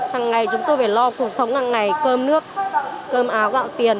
hằng ngày chúng tôi phải lo cuộc sống hàng ngày cơm nước cơm áo gạo tiền